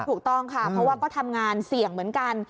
ถูกต้องค่ะเพราะว่าก็ทำงานเสี่ยงเหมือนกัน